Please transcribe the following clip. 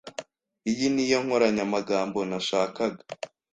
Iyi niyo nkoranyamagambo nashakaga.